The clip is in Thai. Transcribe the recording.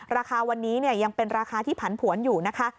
ราคาวันนี้ยังเป็นราคาที่ผันผวนอยู่นะคะ